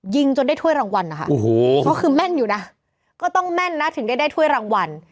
ยิงจนได้ถ้วยรางวัลนะคะโอ้โหก็คือแม่นอยู่นะก็ต้องแม่นนะถึงได้ได้ถ้วยรางวัล